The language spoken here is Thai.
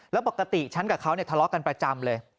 แล้วปกติฉันกับเขาทะเลาะกันประจำเลย